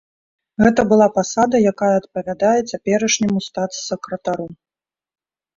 Гэта была пасада, якая адпавядае цяперашняму статс-сакратару.